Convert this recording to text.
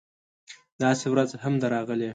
داسې ورځ هم ده راغلې